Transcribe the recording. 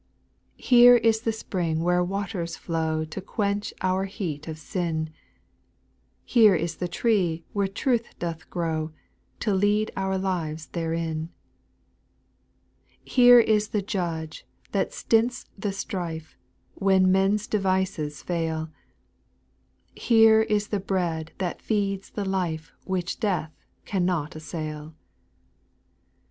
2. Here is the spring where waters flow To quench our heat of sin ; Here is the tree where truth doth grow, To lead our lives therein. 8. Here is the Judge that stints the strife, When men's devices fail ; Here is the bread that feeds the life Which death cannot assail.